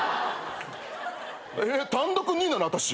えっ単独２位なの？あたし。